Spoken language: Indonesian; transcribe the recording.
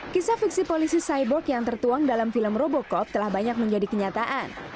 kisah fiksi polisi cyboard yang tertuang dalam film robocorp telah banyak menjadi kenyataan